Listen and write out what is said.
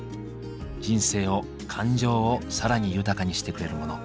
人生を感情を更に豊かにしてくれるモノ。